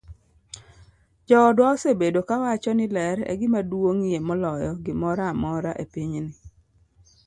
Joodwa osebedo kawacho ni ler e gima duong'ie moloyo gimoro amora e pinyni.